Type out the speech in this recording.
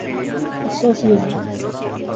افسوس، یہ ہے۔